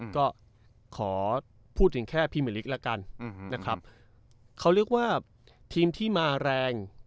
ก็ขอพูดถึงแค่พรีเมอร์ลิกละกันนะครับเขาเรียกว่าทีมที่มาแรง